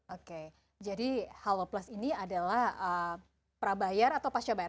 oke jadi halo plus ini adalah prabayar atau pasca bayar